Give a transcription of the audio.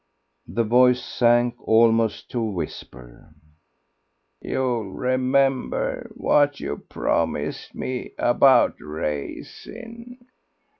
The voice sank almost to a whisper. "You'll remember what you promised me about racing....